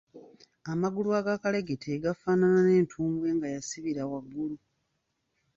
Amagulu agakalegete gafaanana n’entumbwe nga yasibira waggulu.